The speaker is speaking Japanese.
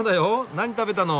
何食べたの？